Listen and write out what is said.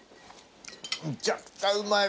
めちゃくちゃうまい。